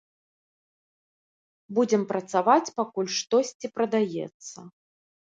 Будзем працаваць, пакуль штосьці прадаецца.